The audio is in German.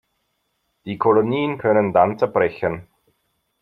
Die Kolonien können dann zerbrechen.